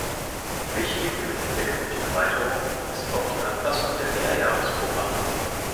Wichtig im Hinblick auf die Erweiterung ist auch die Anpassung der Mehrjahresprogramme.